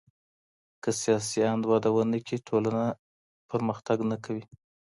که سياسي آند وده ونکړي ټولنه نه پرمختګ کوي.